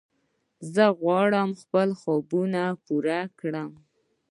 زه غواړم خپل خوبونه پوره کړم.